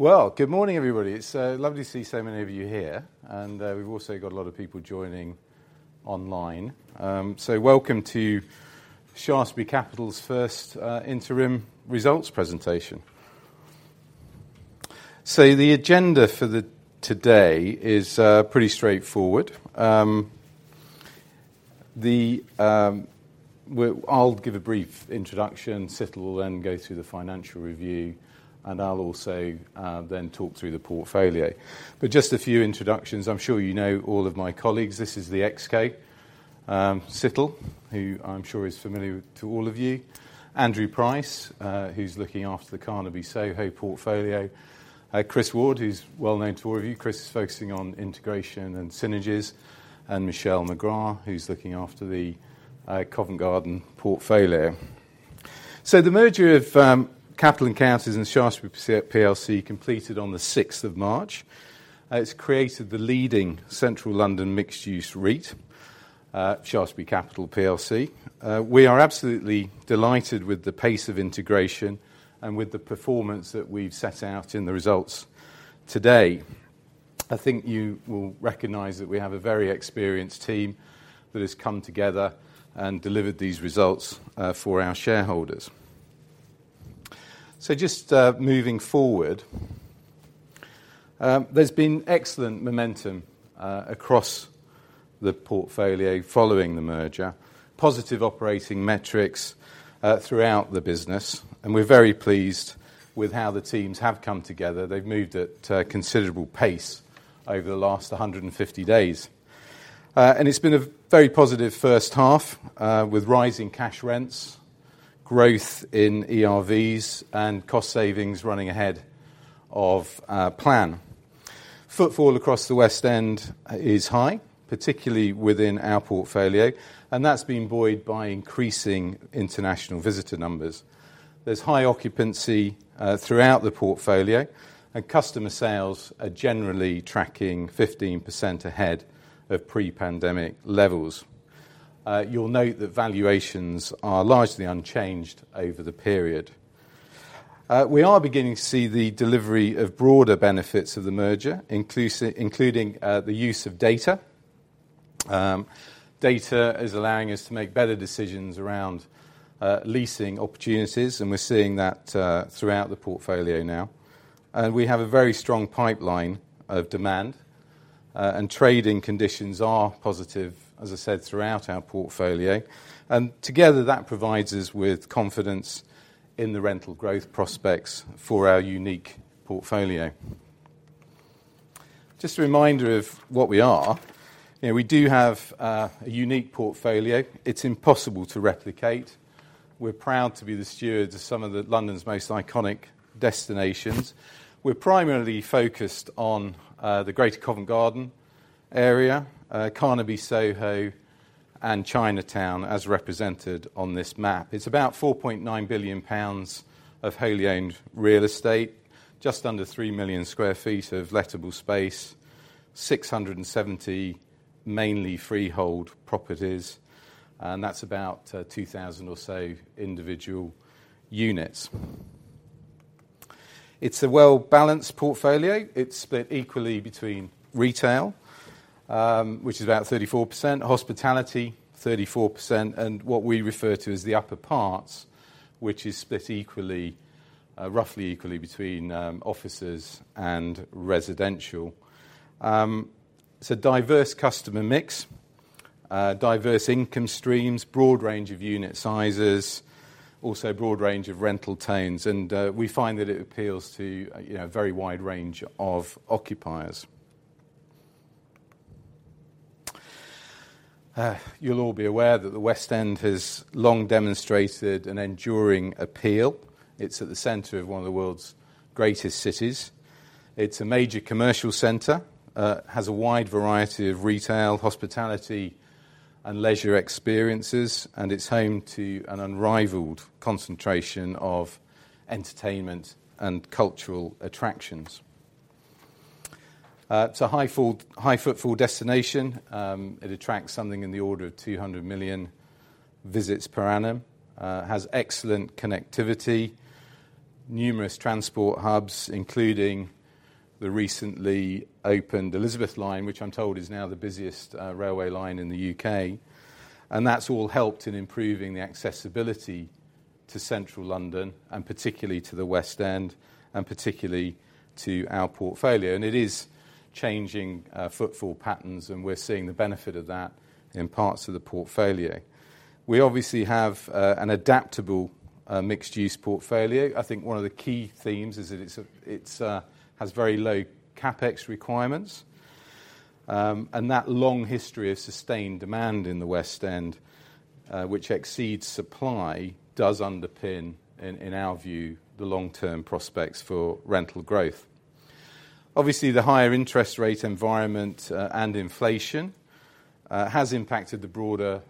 Well, good morning, everybody. It's lovely to see so many of you here, and we've also got a lot of people joining online. Welcome to Shaftesbury Capital's first interim results presentation. The agenda for today is pretty straightforward. I'll give a brief introduction, Situl will then go through the financial review, and I'll also then talk through the portfolio. Just a few introductions. I'm sure you know all of my colleagues. This is the ExCo. Situl, who I'm sure is familiar to all of you. Andrew Price, who's looking after the Carnaby Soho portfolio. Chris Ward, who's well known to all of you. Chris is focusing on integration and synergies. Michelle McGrath, who's looking after the Covent Garden portfolio. The merger of Capital & Counties and Shaftesbury PLC completed on the 6th of March. It's created the leading Central London mixed-use REIT, Shaftesbury Capital PLC. We are absolutely delighted with the pace of integration and with the performance that we've set out in the results today. I think you will recognize that we have a very experienced team that has come together and delivered these results for our shareholders. Just moving forward. There's been excellent momentum across the portfolio following the merger, positive operating metrics throughout the business, and we're very pleased with how the teams have come together. They've moved at considerable pace over the last 150 days. And it's been a very positive first half, with rising cash rents, growth in ERVs, and cost savings running ahead of plan. Footfall across the West End is high, particularly within our portfolio. That's been buoyed by increasing international visitor numbers. There's high occupancy throughout the portfolio. Customer sales are generally tracking 15% ahead of pre-pandemic levels. You'll note that valuations are largely unchanged over the period. We are beginning to see the delivery of broader benefits of the merger, including the use of data. Data is allowing us to make better decisions around leasing opportunities, and we're seeing that throughout the portfolio now. We have a very strong pipeline of demand, and trading conditions are positive, as I said, throughout our portfolio. Together, that provides us with confidence in the rental growth prospects for our unique portfolio. Just a reminder of what we are. You know, we do have a unique portfolio. It's impossible to replicate. We're proud to be the stewards of some of the London's most iconic destinations. We're primarily focused on, the Greater Covent Garden area, Carnaby Soho and Chinatown, as represented on this map. It's about 4.9 billion pounds of wholly owned real estate, just under 3 million sq ft of lettable space, 670, mainly freehold properties. That's about 2,000 or so individual units. It's a well-balanced portfolio. It's split equally between retail, which is about 34%, hospitality, 34%, and what we refer to as the upper parts, which is split equally, roughly equally between, offices and residential. It's a diverse customer mix, diverse income streams, broad range of unit sizes, also a broad range of rental tenures. We find that it appeals to, you know, a very wide range of occupiers. You'll all be aware that the West End has long demonstrated an enduring appeal. It's at the center of one of the world's greatest cities. It's a major commercial center, has a wide variety of retail, hospitality, and leisure experiences, and it's home to an unrivaled concentration of entertainment and cultural attractions. It's a high footfall destination. It attracts something in the order of 200 million visits per annum. Has excellent connectivity, numerous transport hubs, including the recently opened Elizabeth line, which I'm told is now the busiest railway line in the U.K. That's all helped in improving the accessibility to Central London, and particularly to the West End, and particularly to our portfolio. It is changing footfall patterns, and we're seeing the benefit of that in parts of the portfolio. We obviously have an adaptable mixed-use portfolio. I think one of the key themes is that it's, it's has very low CapEx requirements. That long history of sustained demand in the West End, which exceeds supply, does underpin, in, in our view, the long-term prospects for rental growth. Obviously, the higher interest rate environment and inflation has impacted the broader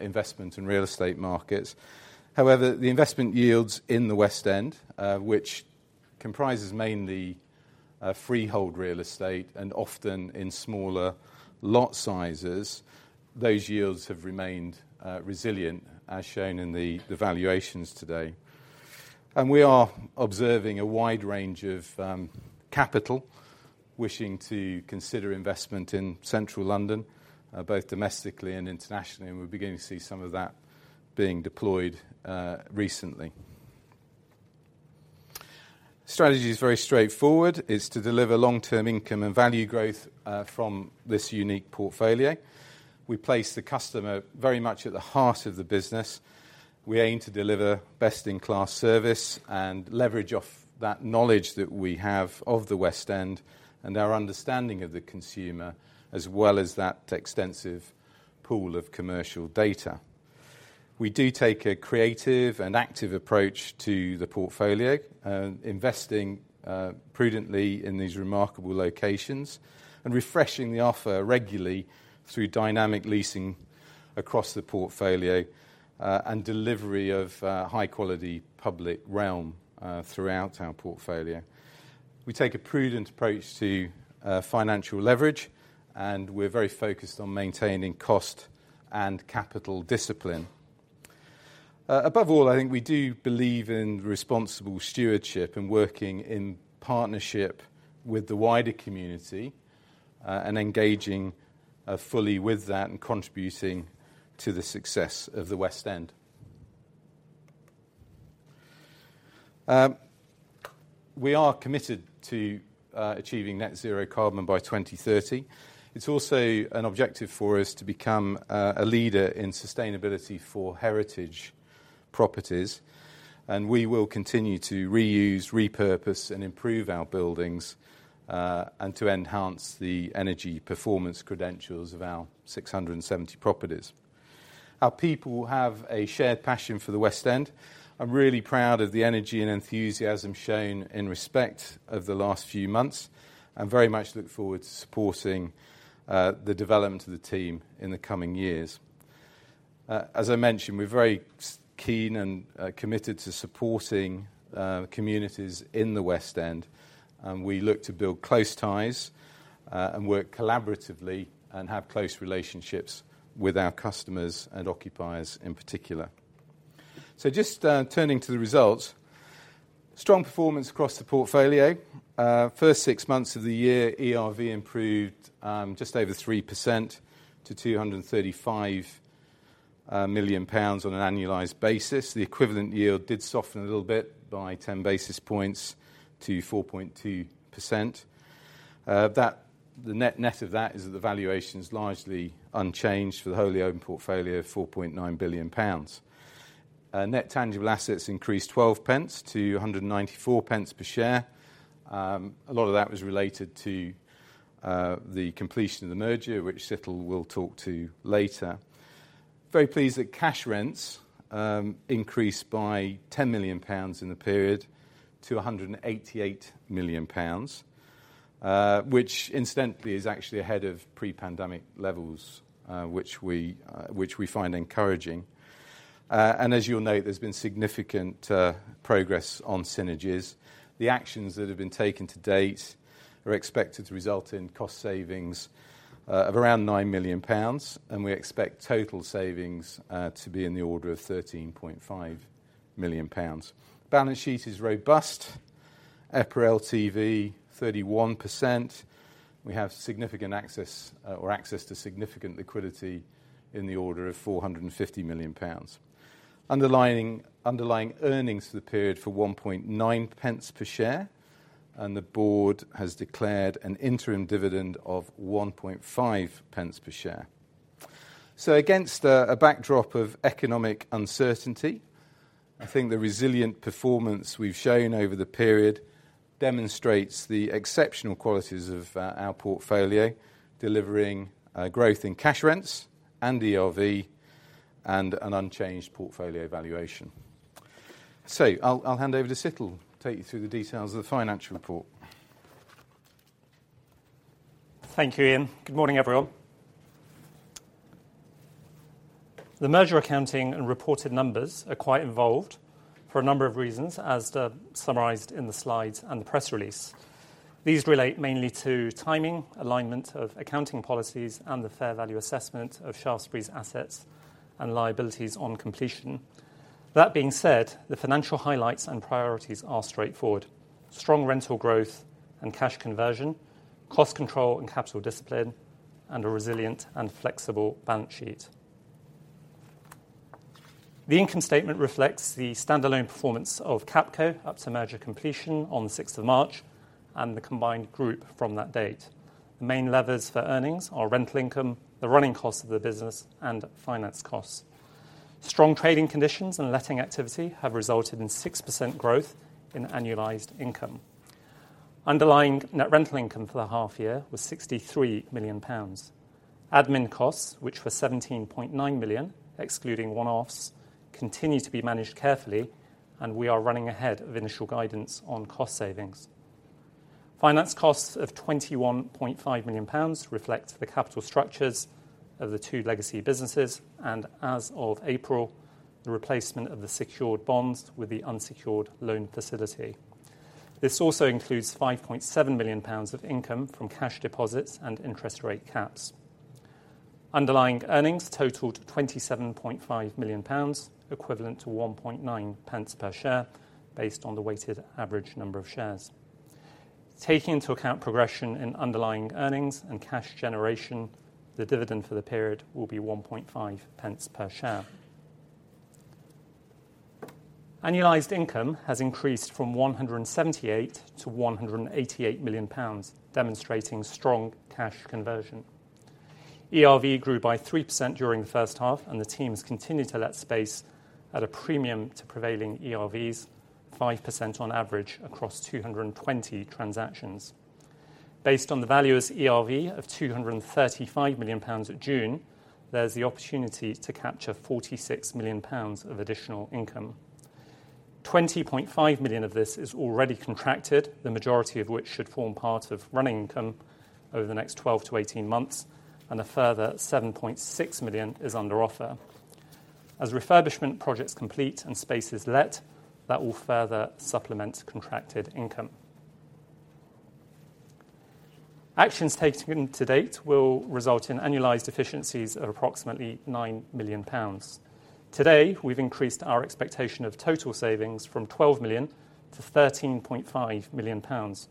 investment in real estate markets. However, the investment yields in the West End, which comprises mainly-... freehold real estate, and often in smaller lot sizes, those yields have remained resilient, as shown in the, the valuations today. We are observing a wide range of capital, wishing to consider investment in Central London, both domestically and internationally, and we're beginning to see some of that being deployed recently. Strategy is very straightforward. It's to deliver long-term income and value growth from this unique portfolio. We place the customer very much at the heart of the business. We aim to deliver best-in-class service and leverage off that knowledge that we have of the West End, and our understanding of the consumer, as well as that extensive pool of commercial data. We do take a creative and active approach to the portfolio, and investing prudently in these remarkable locations, and refreshing the offer regularly through dynamic leasing across the portfolio, and delivery of high-quality public realm throughout our portfolio. We take a prudent approach to financial leverage, and we're very focused on maintaining cost and capital discipline. Above all, I think we do believe in responsible stewardship and working in partnership with the wider community, and engaging fully with that, and contributing to the success of the West End. We are committed to achieving net zero carbon by 2030. It's also an objective for us to become a leader in sustainability for heritage properties, and we will continue to reuse, repurpose, and improve our buildings, and to enhance the energy performance credentials of our 670 properties. Our people have a shared passion for the West End. I'm really proud of the energy and enthusiasm shown in respect of the last few months, and very much look forward to supporting the development of the team in the coming years. As I mentioned, we're very keen and committed to supporting communities in the West End, and we look to build close ties and work collaboratively, and have close relationships with our customers and occupiers in particular. Just turning to the results. Strong performance across the portfolio. First six months of the year, ERV improved just over 3% to 235 million pounds on an annualized basis. The equivalent yield did soften a little bit by 10 basis points to 4.2%. The net net of that is that the valuation is largely unchanged for the wholly owned portfolio of 4.9 billion pounds. Net tangible assets increased 12 pence to 194 pence per share. A lot of that was related to the completion of the merger, which Situl will talk to later. Very pleased that cash rents increased by 10 million pounds in the period to 188 million pounds, which incidentally, is actually ahead of pre-pandemic levels, which we find encouraging. As you'll note, there's been significant progress on synergies. The actions that have been taken to date are expected to result in cost savings of around 9 million pounds, and we expect total savings to be in the order of 13.5 million pounds. Balance sheet is robust. EPRA LTV, 31%. We have significant access, or access to significant liquidity in the order of 450 million pounds. Underlying earnings for the period for 1.9 pence per share. The board has declared an interim dividend of 1.5 pence per share. Against a backdrop of economic uncertainty, I think the resilient performance we've shown over the period demonstrates the exceptional qualities of our portfolio, delivering growth in cash rents and ERV, and an unchanged portfolio valuation. I'll hand over to Situl, take you through the details of the financial report. Thank you, Ian. Good morning, everyone. The merger accounting and reported numbers are quite involved for a number of reasons, as summarized in the slides and the press release. These relate mainly to timing, alignment of accounting policies, and the fair value assessment of Shaftesbury's assets and liabilities on completion. That being said, the financial highlights and priorities are straightforward. Strong rental growth and cash conversion, cost control and capital discipline, and a resilient and flexible balance sheet. The income statement reflects the standalone performance of Capco, up to merger completion on the sixth of March, and the combined group from that date. The main levers for earnings are rental income, the running costs of the business, and finance costs. Strong trading conditions and letting activity have resulted in 6% growth in annualized income. Underlying net rental income for the half year was 63 million pounds. Admin costs, which were 17.9 million, excluding one-offs, continue to be managed carefully, and we are running ahead of initial guidance on cost savings. Finance costs of 21.5 million pounds reflect the capital structures of the two legacy businesses, and as of April, the replacement of the secured bonds with the unsecured loan facility. This also includes 5.7 million pounds of income from cash deposits and interest rate caps. Underlying earnings totaled 27.5 million pounds, equivalent to 1.9 pence per share, based on the weighted average number of shares. Taking into account progression in underlying earnings and cash generation, the dividend for the period will be 1.5 pence per share. Annualized income has increased from 178 million to 188 million pounds, demonstrating strong cash conversion. ERV grew by 3% during the first half. The teams continued to let space at a premium to prevailing ERVs, 5% on average across 220 transactions. Based on the value as ERV of 235 million pounds at June, there's the opportunity to capture 46 million pounds of additional income. 20.5 million of this is already contracted, the majority of which should form part of running income over the next 12-18 months. A further 7.6 million is under offer. As refurbishment projects complete and space is let, that will further supplement contracted income. Actions taken to date will result in annualized efficiencies of approximately 9 million pounds. Today, we've increased our expectation of total savings from 12 million to 13.5 million pounds,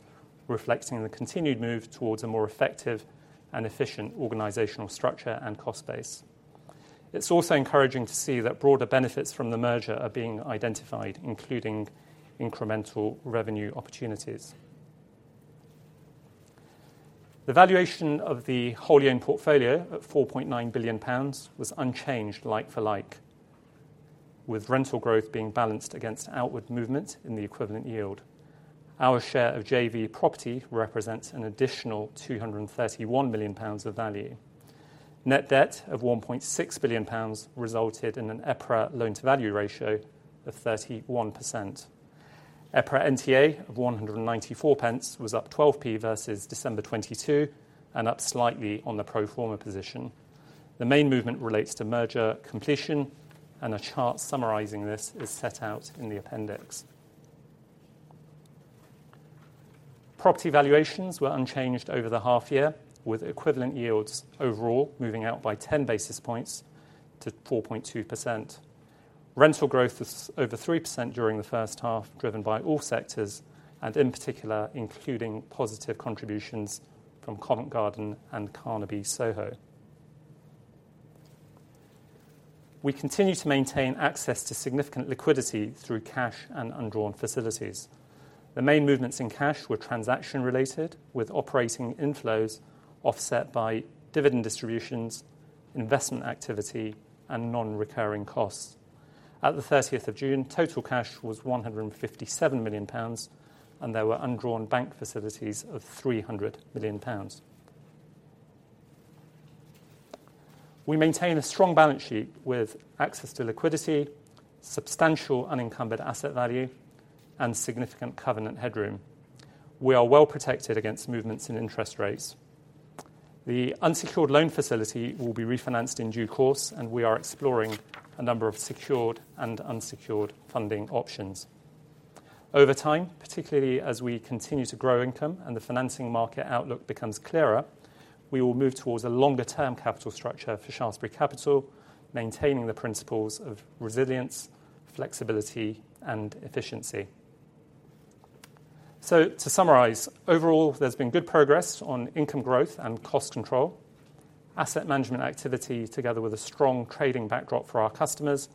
reflecting the continued move towards a more effective and efficient organizational structure and cost base. It's also encouraging to see that broader benefits from the merger are being identified, including incremental revenue opportunities. The valuation of the wholly owned portfolio at 4.9 billion pounds was unchanged like-for-like, with rental growth being balanced against outward movement in the equivalent yield. Our share of JV property represents an additional 231 million pounds of value. Net debt of 1.6 billion pounds resulted in an EPRA loan-to-value ratio of 31%. EPRA NTA of 194 pence was up 12p versus December 2022, and up slightly on the pro forma position. The main movement relates to merger completion, and a chart summarizing this is set out in the appendix. Property valuations were unchanged over the half year, with equivalent yields overall moving out by 10 basis points to 4.2%. Rental growth was over 3% during the first half, driven by all sectors, and in particular, including positive contributions from Covent Garden and Carnaby Soho. We continue to maintain access to significant liquidity through cash and undrawn facilities. The main movements in cash were transaction-related, with operating inflows offset by dividend distributions, investment activity, and non-recurring costs. At the 30th of June, total cash was 157 million pounds, and there were undrawn bank facilities of 300 million pounds. We maintain a strong balance sheet with access to liquidity, substantial unencumbered asset value, and significant covenant headroom. We are well protected against movements in interest rates. The unsecured loan facility will be refinanced in due course, and we are exploring a number of secured and unsecured funding options. Over time, particularly as we continue to grow income and the financing market outlook becomes clearer, we will move towards a longer-term capital structure for Shaftesbury Capital, maintaining the principles of resilience, flexibility, and efficiency. To summarize, overall, there's been good progress on income growth and cost control. Asset management activity, together with a strong trading backdrop for our customers,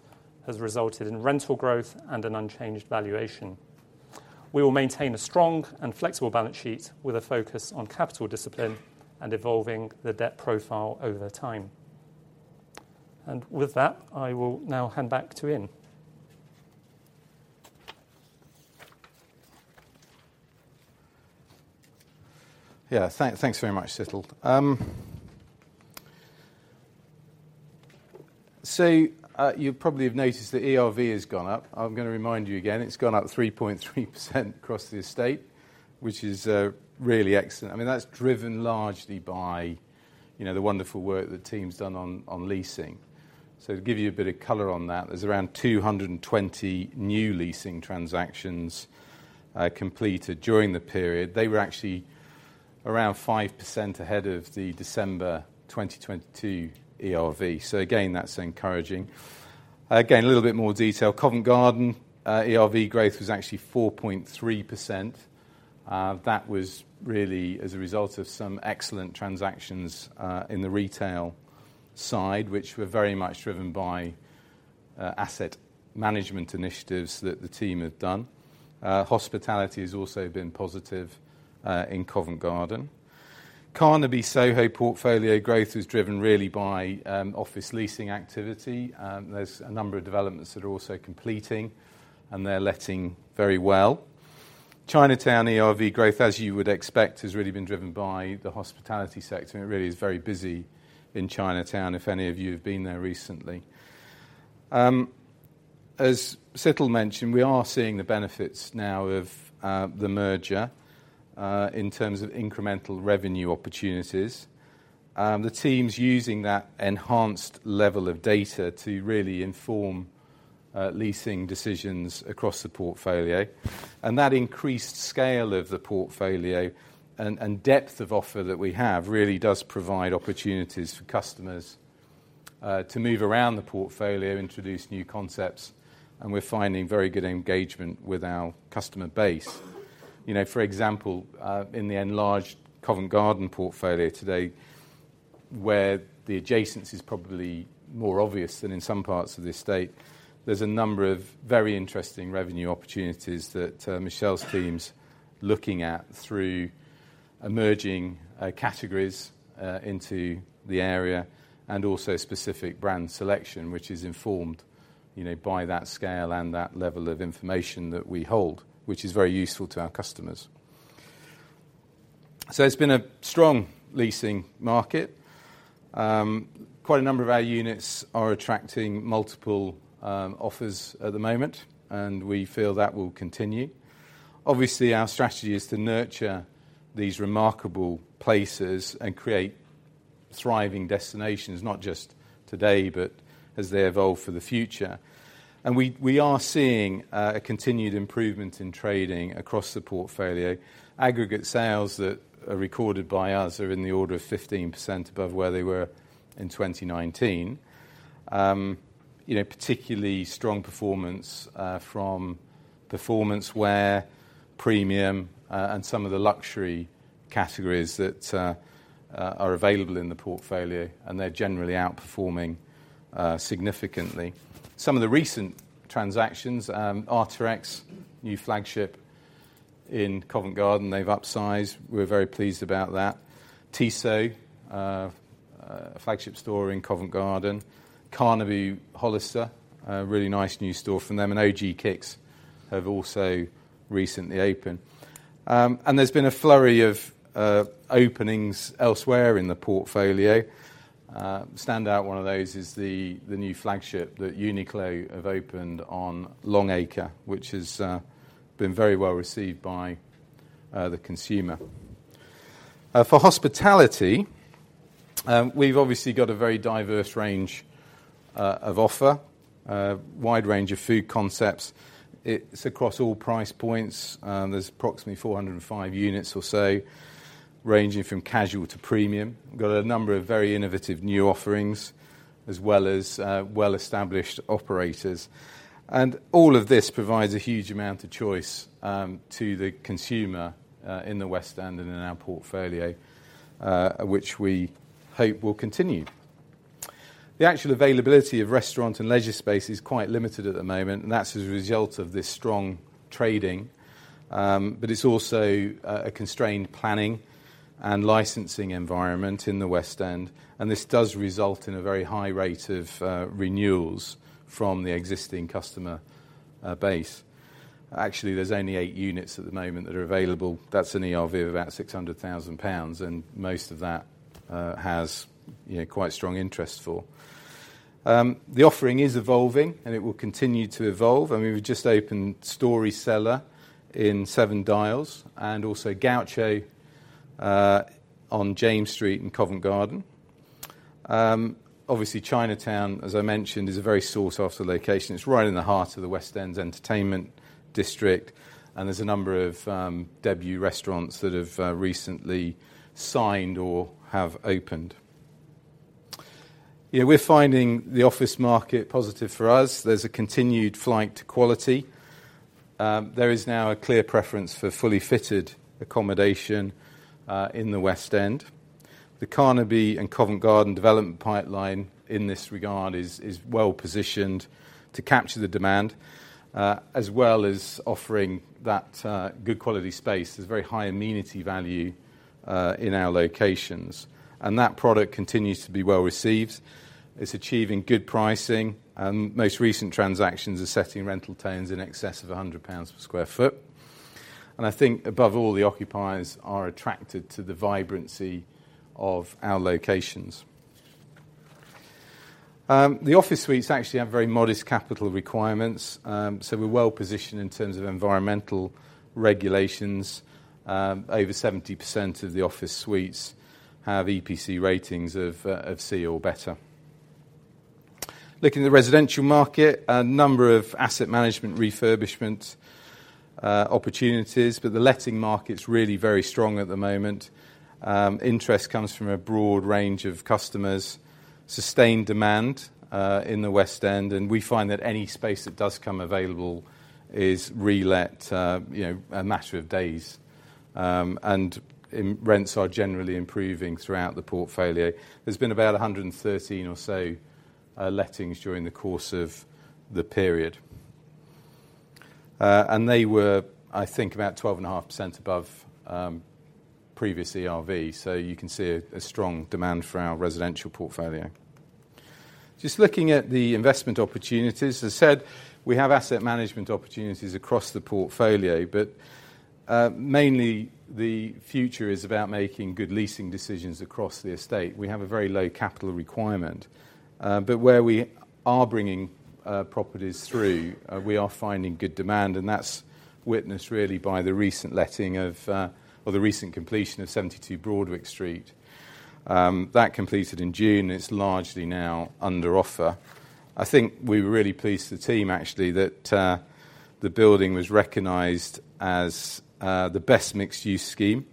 has resulted in rental growth and an unchanged valuation. We will maintain a strong and flexible balance sheet with a focus on capital discipline and evolving the debt profile over time. With that, I will now hand back to Ian. Yeah, thank, thanks very much, Situl. You probably have noticed that ERV has gone up. I'm going to remind you again, it's gone up 3.3% across the estate, which is really excellent. I mean, that's driven largely by, you know, the wonderful work the team's done on, on leasing. To give you a bit of color on that, there's around 220 new leasing transactions completed during the period. They were actually around 5% ahead of the December 2022 ERV. Again, that's encouraging. Again, a little bit more detail. Covent Garden ERV growth was actually 4.3%. That was really as a result of some excellent transactions in the retail side, which were very much driven by asset management initiatives that the team had done. Hospitality has also been positive in Covent Garden. Carnaby Soho portfolio growth is driven really by office leasing activity. There's a number of developments that are also completing, and they're letting very well. Chinatown ERV growth, as you would expect, has really been driven by the hospitality sector, and it really is very busy in Chinatown, if any of you have been there recently. As Situl mentioned, we are seeing the benefits now of the merger in terms of incremental revenue opportunities. The team's using that enhanced level of data to really inform leasing decisions across the portfolio. That increased scale of the portfolio and, and depth of offer that we have, really does provide opportunities for customers to move around the portfolio, introduce new concepts, and we're finding very good engagement with our customer base. You know, for example, in the enlarged Covent Garden portfolio today, where the adjacency is probably more obvious than in some parts of the estate, there's a number of very interesting revenue opportunities that Michelle's team's looking at through emerging categories into the area, and also specific brand selection, which is informed, you know, by that scale and that level of information that we hold, which is very useful to our customers. It's been a strong leasing market. Quite a number of our units are attracting multiple offers at the moment, and we feel that will continue. Obviously, our strategy is to nurture these remarkable places and create thriving destinations, not just today, but as they evolve for the future. We, we are seeing a continued improvement in trading across the portfolio. Aggregate sales that are recorded by us are in the order of 15% above where they were in 2019. You know, particularly strong performance from performance where premium and some of the luxury categories that are available in the portfolio, and they're generally outperforming significantly. Some of the recent transactions, Arc'teryx, new flagship in Covent Garden, they've upsized. We're very pleased about that. Tissot, a flagship store in Covent Garden, Carnaby, Hollister, a really nice new store from them, and OG Kicks have also recently opened. There's been a flurry of openings elsewhere in the portfolio. Stand out one of those is the new flagship that Uniqlo have opened on Long Acre, which has been very well received by the consumer. For hospitality, we've obviously got a very diverse range of offer, a wide range of food concepts. It's across all price points, and there's approximately 405 units or so, ranging from casual to premium. We've got a number of very innovative new offerings, as well as well-established operators. All of this provides a huge amount of choice to the consumer in the West End and in our portfolio, which we hope will continue. The actual availability of restaurant and leisure space is quite limited at the moment, and that's as a result of this strong trading. It's also a constrained planning and licensing environment in the West End, and this does result in a very high rate of renewals from the existing customer base. Actually, there's only eight units at the moment that are available. That's an ERV of about 600,000 pounds, and most of that has, you know, quite strong interest for. The offering is evolving, and it will continue to evolve. I mean, we've just opened Story Cellar in Seven Dials and also Gaucho on James Street in Covent Garden. Obviously, Chinatown, as I mentioned, is a very sought after location. It's right in the heart of the West End's entertainment district, and there's a number of debut restaurants that have recently signed or have opened. Yeah, we're finding the office market positive for us. There's a continued flight to quality. There is now a clear preference for fully fitted accommodation in the West End. The Carnaby and Covent Garden development pipeline, in this regard, is well positioned to capture the demand, as well as offering that good quality space. There's very high amenity value in our locations, and that product continues to be well received. It's achieving good pricing, and most recent transactions are setting rental tones in excess of 100 pounds per square foot. I think above all, the occupiers are attracted to the vibrancy of our locations. The office suites actually have very modest capital requirements, so we're well positioned in terms of environmental regulations. Over 70% of the office suites have EPC ratings of C or better. Looking at the residential market, a number of asset management refurbishment opportunities. The letting market is really very strong at the moment. Interest comes from a broad range of customers, sustained demand in the West End, and we find that any space that does come available is relet, you know, a matter of days. Rents are generally improving throughout the portfolio. There's been about 113 or so lettings during the course of the period. They were, I think, about 12.5% above previous ERV, so you can see a strong demand for our residential portfolio. Just looking at the investment opportunities, as I said, we have asset management opportunities across the portfolio, but mainly, the future is about making good leasing decisions across the estate. We have a very low capital requirement. Where we are bringing properties through, we are finding good demand, and that's witnessed really by the recent letting of, or the recent completion of 72 Broadwick Street. That completed in June, and it's largely now under offer. I think we were really pleased, the team, actually, that the building was recognized as the best mixed-use scheme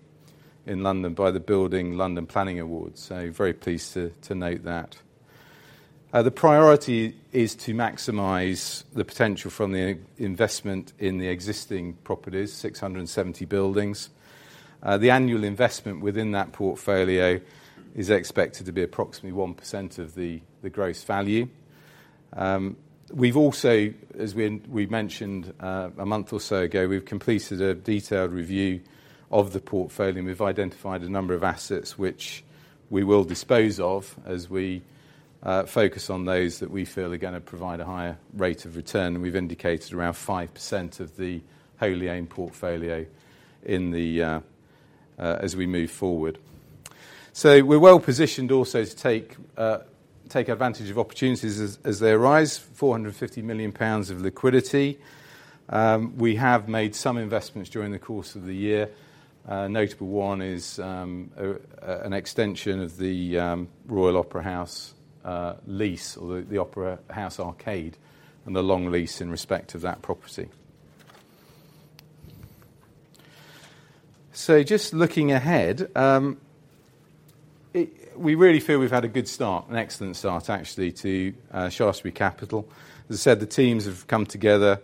in London by the Building London Planning Awards, very pleased to note that. The priority is to maximize the potential from the investment in the existing properties, 670 buildings. The annual investment within that portfolio is expected to be approximately 1% of the gross value. We've also, as we, we mentioned, a month or so ago, we've completed a detailed review of the portfolio, and we've identified a number of assets which we will dispose of as we focus on those that we feel are gonna provide a higher rate of return. We've indicated around 5% of the whole aim portfolio in the, as we move forward. We're well positioned also to take advantage of opportunities as they arise, 450 million pounds of liquidity. We have made some investments during the course of the year. Notable one is an extension of the Royal Opera House lease, or the, the Opera House Arcade, and the long lease in respect of that property. Just looking ahead, we really feel we've had a good start, an excellent start, actually, to Shaftesbury Capital. As I said, the teams have come together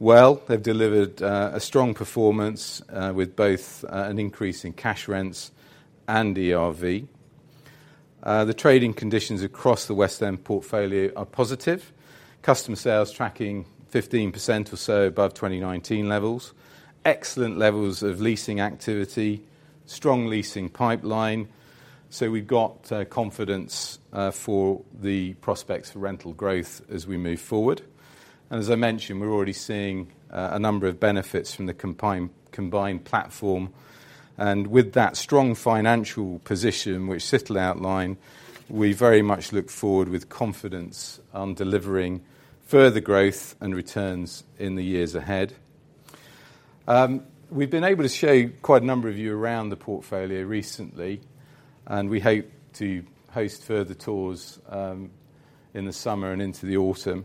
well. They've delivered a strong performance with both an increase in cash rents and ERV. The trading conditions across the West End portfolio are positive. Customer sales tracking 15% or so above 2019 levels. Excellent levels of leasing activity, strong leasing pipeline, so we've got confidence for the prospects for rental growth as we move forward. As I mentioned, we're already seeing a number of benefits from the combined platform. With that strong financial position, which Situl outlined, we very much look forward with confidence on delivering further growth and returns in the years ahead. We've been able to show quite a number of you around the portfolio recently. We hope to host further tours in the summer and into the autumn.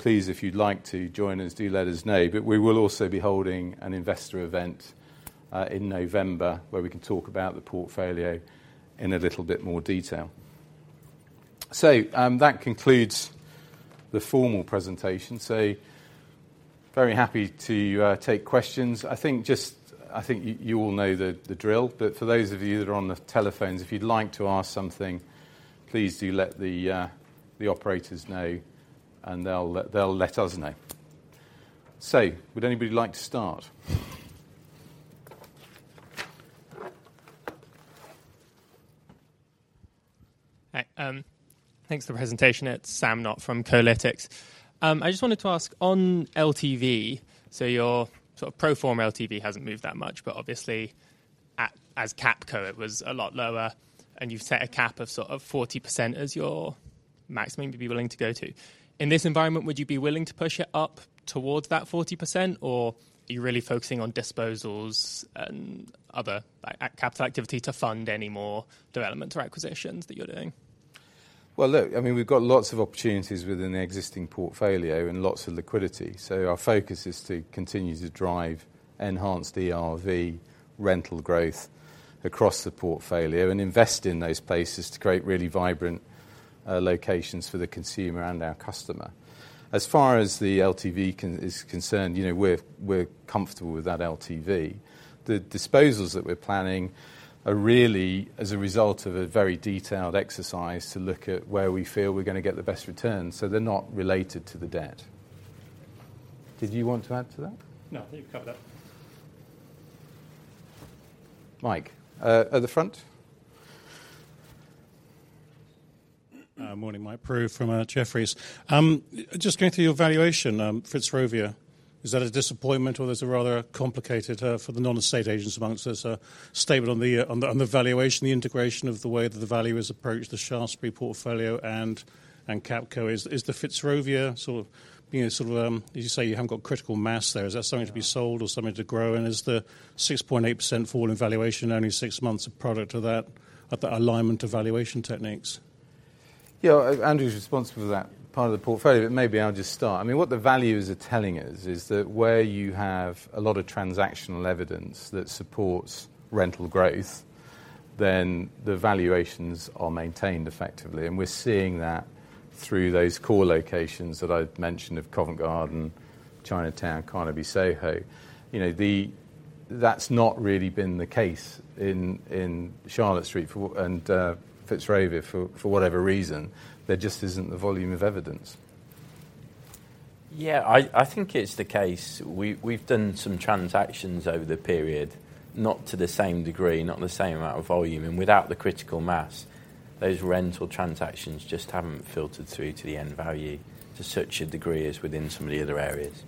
Please, if you'd like to join us, do let us know. We will also be holding an investor event in November, where we can talk about the portfolio in a little bit more detail. That concludes the formal presentation. Very happy to take questions. I think you, you all know the drill, but for those of you that are on the telephones, if you'd like to ask something, please do let the operators know, and they'll let, they'll let us know. Would anybody like to start? Hi, thanks for the presentation. It's Sam Knott from Kolytics. I just wanted to ask, on LTV, so your sort of pro forma LTV hasn't moved that much, but obviously, at, as Capco, it was a lot lower, and you've set a cap of sort of 40% as your maximum you'd be willing to go to. In this environment, would you be willing to push it up towards that 40%, or are you really focusing on disposals and other, like, capital activity to fund any more development or acquisitions that you're doing? Well, look, I mean, we've got lots of opportunities within the existing portfolio and lots of liquidity. Our focus is to continue to drive enhanced ERV rental growth across the portfolio and invest in those places to create really vibrant locations for the consumer and our customer. As far as the LTV is concerned, you know, we're comfortable with that LTV. The disposals that we're planning are really as a result of a very detailed exercise to look at where we feel we're gonna get the best return. They're not related to the debt. Did you want to add to that? No, you've covered that. Mike, at the front. Morning, Mike Prew from Jefferies. Just going through your valuation, Fitzrovia, is that a disappointment or is it rather complicated for the non-estate agents amongst us? Stable on the, on the, on the valuation, the integration of the way that the value is approached, the Shaftesbury portfolio and Capco. Is, is the Fitzrovia sort of, you know, sort of, as you say, you haven't got critical mass there. Is that something to be sold or something to grow? Is the 6.8% fall in valuation only six months a product of that, of the alignment of valuation techniques? Yeah, Andrew's responsible for that part of the portfolio, but maybe I'll just start. I mean, what the values are telling us is that where you have a lot of transactional evidence that supports rental growth, then the valuations are maintained effectively, and we're seeing that through those core locations that I've mentioned of Covent Garden, Chinatown, Carnaby, Soho. You know, that's not really been the case in, in Charlotte Street for, and Fitzrovia, for, for whatever reason. There just isn't the volume of evidence. Yeah, I, I think it's the case. We, we've done some transactions over the period, not to the same degree, not the same amount of volume, and without the critical mass.... those rental transactions just haven't filtered through to the end value to such a degree as within some of the other areas.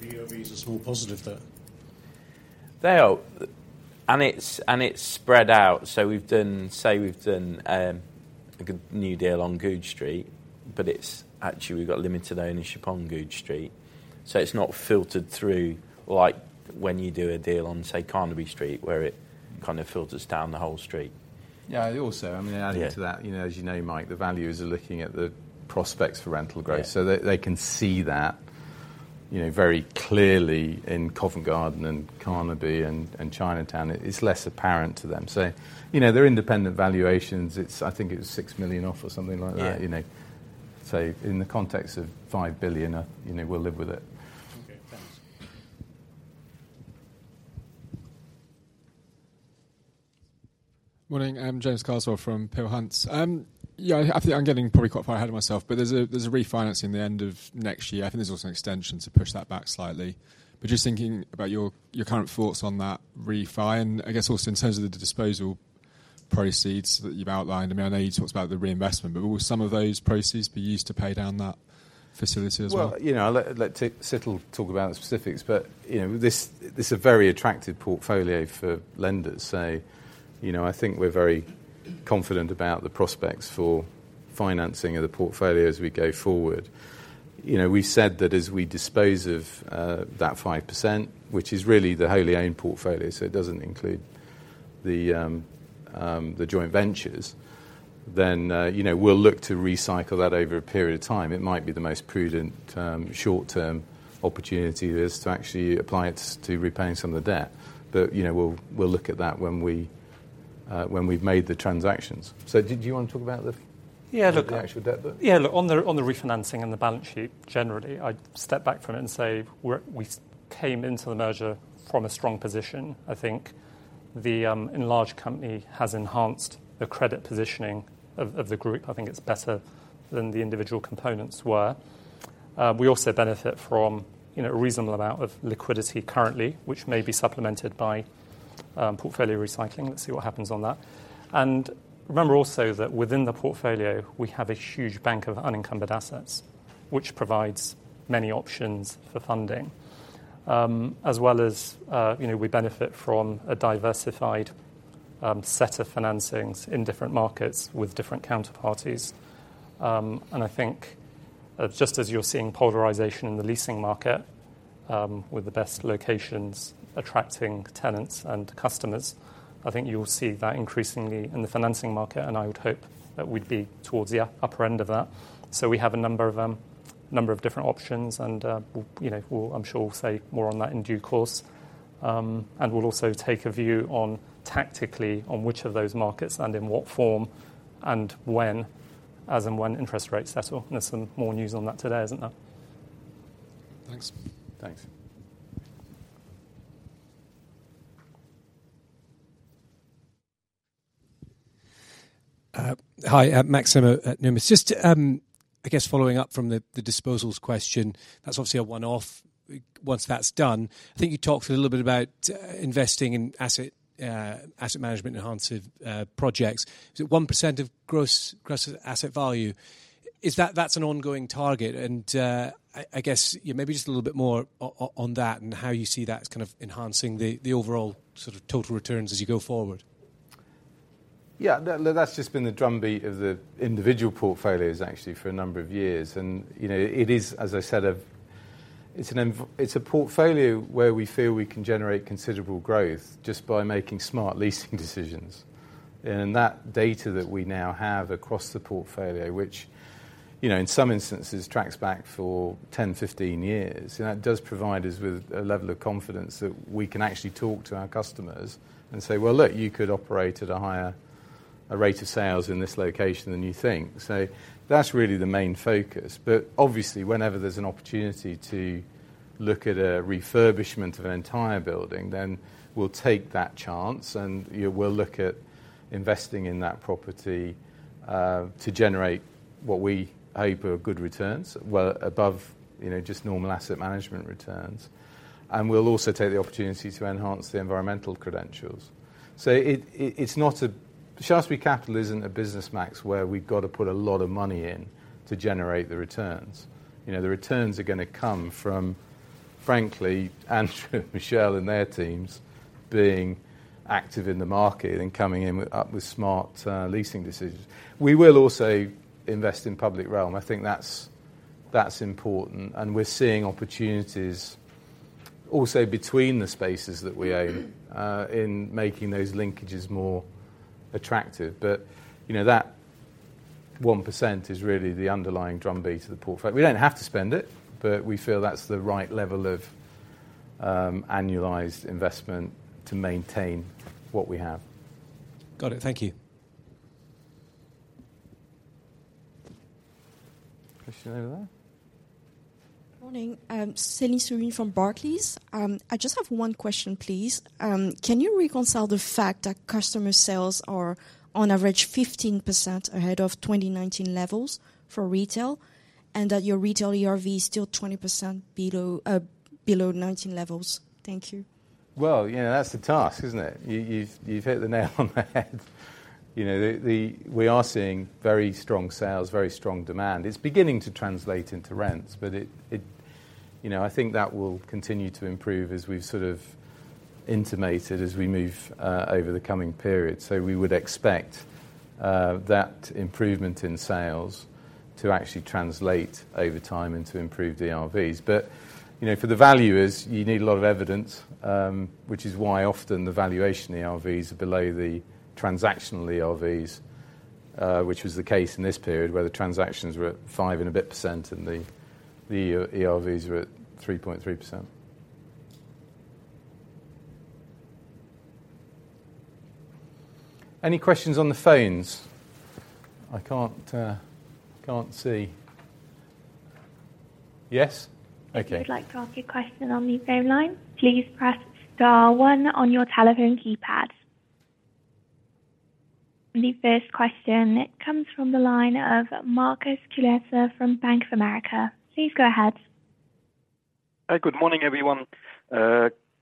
The ERV is a small positive, though? They are, and it's, and it's spread out. We've done, say we've done, like a new deal on Goodge Street, but it's actually, we've got limited ownership on Goodge Street, so it's not filtered through, like when you do a deal on, say, Carnaby Street, where it kind of filters down the whole street. Yeah, also, I mean, adding to that... Yeah You know, as you know, Mike, the valuers are looking at the prospects for rental growth. Yeah. They, they can see that, you know, very clearly in Covent Garden and Carnaby and Chinatown. It's less apparent to them. You know, they're independent valuations. I think it was 6 million off or something like that. Yeah. You know, in the context of 5 billion, you know, we'll live with it. Okay, thanks. Morning, I'm James Carswell from Peel Hunt. Yeah, I, I think I'm getting probably quite far ahead of myself, but there's a, there's a refinancing the end of next year. I think there's also an extension to push that back slightly. Just thinking about your, your current thoughts on that refi, and I guess also in terms of the disposal proceeds that you've outlined. I mean, I know you talked about the reinvestment, but will some of those proceeds be used to pay down that facility as well? Well, you know, I'll let, let Situl talk about the specifics, but, you know, this, this is a very attractive portfolio for lenders. You know, I think we're very confident about the prospects for financing of the portfolio as we go forward. You know, we said that as we dispose of that 5%, which is really the wholly owned portfolio, so it doesn't include the joint ventures, then, you know, we'll look to recycle that over a period of time. It might be the most prudent short-term opportunity there is to actually apply it to repaying some of the debt. You know, we'll, we'll look at that when we when we've made the transactions. Did you want to talk about the- Yeah, look. the actual debt then? Yeah, look, on the, on the refinancing and the balance sheet, generally, I'd step back from it and say, we came into the merger from a strong position. I think the enlarged company has enhanced the credit positioning of the group. I think it's better than the individual components were. We also benefit from, you know, a reasonable amount of liquidity currently, which may be supplemented by portfolio recycling. Let's see what happens on that. Remember also that within the portfolio, we have a huge bank of unencumbered assets, which provides many options for funding. As well as, you know, we benefit from a diversified set of financings in different markets with different counterparties. I think, just as you're seeing polarization in the leasing market, with the best locations attracting tenants and customers, I think you will see that increasingly in the financing market, and I would hope that we'd be towards the upper end of that. We have a number of different options, and, you know, we'll, I'm sure we'll say more on that in due course. We'll also take a view on, tactically, on which of those markets and in what form and when, as in when interest rates settle. There's some more news on that today, isn't there? Thanks. Thanks. Hi, Maximo at Numis. Just, I guess following up from the, the disposals question, that's obviously a one-off. Once that's done, I think you talked a little bit about, investing in asset, asset management enhanced, projects. Is it 1% of gross, gross asset value? Is that, that's an ongoing target? I, I guess, yeah, maybe just a little bit more o-on that and how you see that kind of enhancing the, the overall sort of total returns as you go forward. Yeah, that, that's just been the drumbeat of the individual portfolios, actually, for a number of years. You know, it is, as I said, it's a portfolio where we feel we can generate considerable growth just by making smart leasing decisions. That data that we now have across the portfolio, which, you know, in some instances, tracks back for 10, 15 years, and that does provide us with a level of confidence that we can actually talk to our customers and say, "Well, look, you could operate at a higher, a rate of sales in this location than you think." That's really the main focus. Obviously, whenever there's an opportunity to look at a refurbishment of an entire building, then we'll take that chance, and, yeah, we'll look at investing in that property to generate what we hope are good returns, well above, you know, just normal asset management returns. We'll also take the opportunity to enhance the environmental credentials. Shaftesbury Capital isn't a business, Max, where we've got to put a lot of money in to generate the returns. You know, the returns are gonna come from, frankly, Andrew, Michelle, and their teams being active in the market and coming in with, up with smart leasing decisions. We will also invest in public realm. I think that's, that's important, and we're seeing opportunities also between the spaces that we own in making those linkages more attractive. You know, that 1% is really the underlying drumbeat to the portfolio. We don't have to spend it, but we feel that's the right level of annualized investment to maintain what we have. Got it. Thank you. Question over there? Morning. Celine Surin from Barclays. I just have one question, please. Can you reconcile the fact that customer sales are on average 15% ahead of 2019 levels for retail, and that your retail ERV is still 20% below, below 2019 levels? Thank you. Well, you know, that's the task, isn't it? You, you, you've hit the nail on the head. You know, we are seeing very strong sales, very strong demand. It's beginning to translate into rents, but. You know, I think that will continue to improve as we've sort of intimated as we move over the coming period. We would expect that improvement in sales to actually translate over time and to improve the ERVs. You know, for the valuers, you need a lot of evidence, which is why often the valuation ERVs are below the transactional ERVs, which was the case in this period, where the transactions were at 5% and a bit, and the ERVs were at 3.3%. Any questions on the phones? I can't, I can't see. Yes? Okay. If you'd like to ask a question on the phone line, please press star one on your telephone keypad. The first question comes from the line of Marc Bush from Bank of America. Please go ahead. Hi. Good morning, everyone.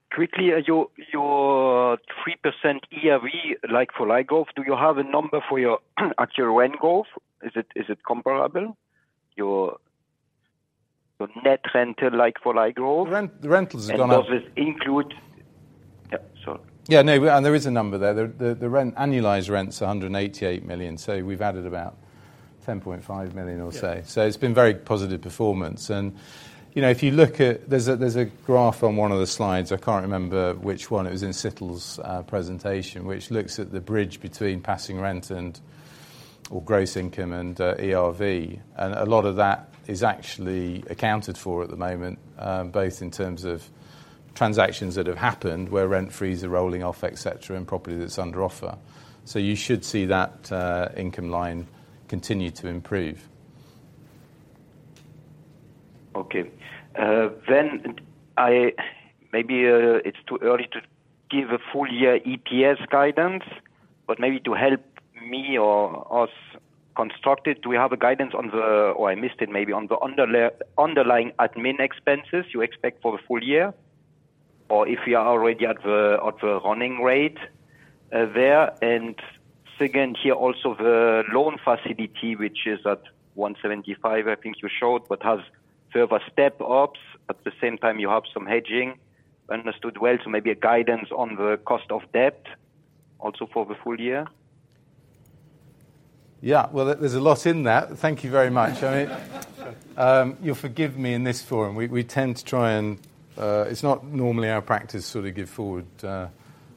Quickly, your 3% ERV like-for-like growth, do you have a number for your actual rent growth? Is it comparable? Your net rental like-for-like growth- Rent, the rentals have gone up. Does this include...? Yeah, sorry. Yeah, no, there is a number there. The, the, the rent, annualized rent is 188 million, so we've added about 10.5 million or so. Yeah. It's been very positive performance. You know, if you look at... There's a, there's a graph on one of the slides, I can't remember which one. It was in Situl's presentation, which looks at the bridge between passing rent and, or gross income and ERV. A lot of that is actually accounted for at the moment, both in terms of transactions that have happened, where rent frees are rolling off, et cetera, and property that's under offer. You should see that income line continue to improve. Okay. Maybe it's too early to give a full year EPS guidance, but maybe to help me or us construct it, do we have a guidance on the... Or I missed it, maybe, on the underlying admin expenses you expect for the full year? If you are already at the running rate there. Second, here, also, the loan facility, which is at 175, I think you showed, but has further step ups. At the same time, you have some hedging. Understood well, maybe a guidance on the cost of debt also for the full year. Yeah, well, there's a lot in that. Thank you very much. You'll forgive me in this forum. We, we tend to try and... It's not normally our practice to sort of give forward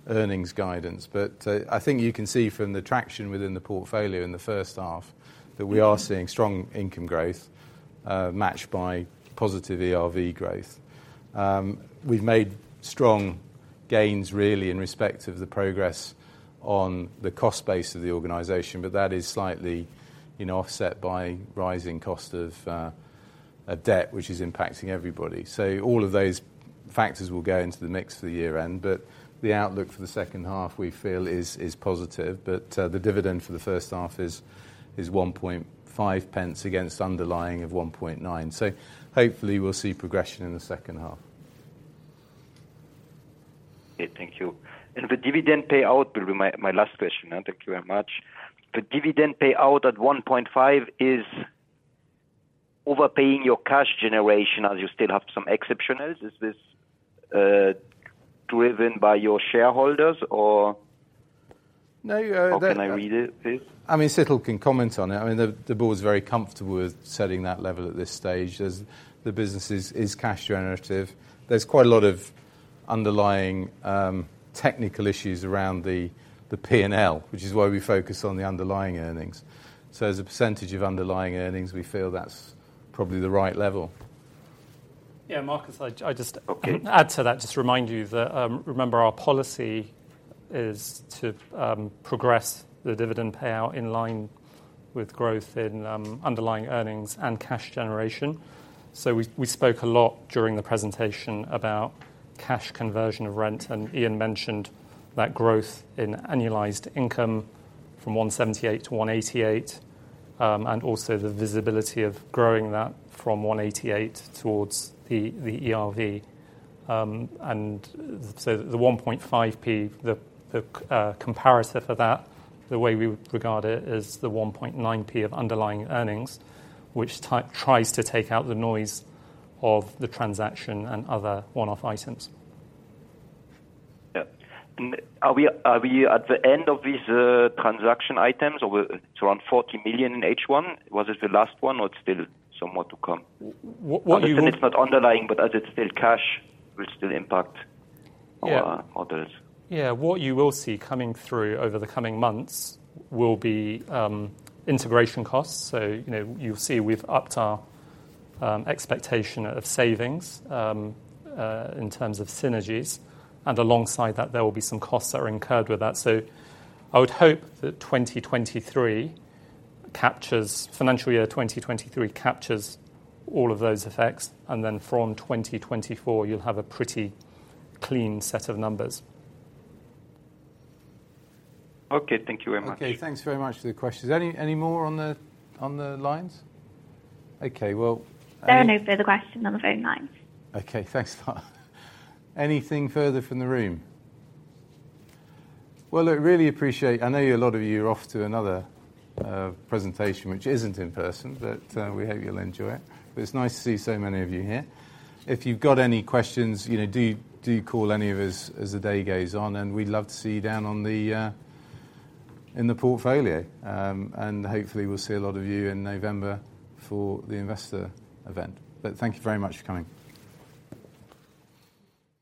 earnings guidance, but I think you can see from the traction within the portfolio in the first half, that we are seeing strong income growth, matched by positive ERV growth. We've made strong gains, really, in respect of the progress on the cost base of the organization, but that is slightly, you know, offset by rising cost of a debt which is impacting everybody. All of those factors will go into the mix for the year end, but the outlook for the second half, we feel is positive. The dividend for the first half is 1.5 pence against underlying of 1.9. Hopefully, we'll see progression in the second half. Okay, thank you. The dividend payout will be my, my last question, and thank you very much. The dividend payout at 1.5 is overpaying your cash generation, as you still have some exceptionals. Is this driven by your shareholders or- No. How can I read it, please? I mean, Situl can comment on it. I mean, the, the board is very comfortable with setting that level at this stage, as the business is, is cash generative. There's quite a lot of underlying technical issues around the, the P&L, which is why we focus on the underlying earnings. As a % of underlying earnings, we feel that's probably the right level. Yeah, Marcus, I'd. Okay. Add to that, just to remind you that, remember, our policy is to progress the dividend payout in line with growth in underlying earnings and cash generation. We spoke a lot during the presentation about cash conversion of rent, and Ian mentioned that growth in annualized income from 178 to 188, and also the visibility of growing that from 188 towards the ERV. The 1.5 P, the comparison for that, the way we would regard it, is the 1.9 P of underlying earnings, which tries to take out the noise of the transaction and other one-off items. Yeah. Are we, are we at the end of these transaction items, or we're around 40 million in H1? Was it the last one, or is still some more to come? What? It's not underlying, but as it's still cash, will still impact- Yeah our models. Yeah. What you will see coming through over the coming months will be, integration costs. You know, you'll see we've upped our, expectation of savings, in terms of synergies, and alongside that, there will be some costs that are incurred with that. I would hope that 2023 captures... Financial year 2023 captures all of those effects, and then from 2024, you'll have a pretty clean set of numbers. Okay. Thank you very much. Okay, thanks very much for the questions. Any, any more on the, on the lines? Okay, well. There are no further questions on the phone lines. Okay, thanks, Paula. Anything further from the room? Well, I really appreciate... I know a lot of you are off to another presentation, which isn't in person. We hope you'll enjoy it. It's nice to see so many of you here. If you've got any questions, you know, do, do call any of us as the day goes on, and we'd love to see you down on the in the portfolio. Hopefully, we'll see a lot of you in November for the investor event. Thank you very much for coming.